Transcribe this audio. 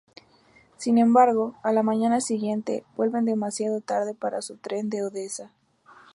Sin embargo, a la mañana siguiente, vuelven demasiado tarde para su tren de Odessa.